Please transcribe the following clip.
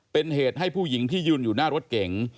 เป็นเหตุให้ผู้หญิงที่ยืนอยู่หน้ารถเก๋ง